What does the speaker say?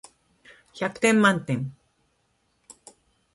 百点満点